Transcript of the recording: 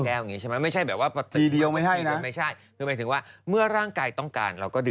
คือมากไม่ใช่ให้กินน้ำแบบเป็นขวดลิ่ดอย่างนี้เต็ด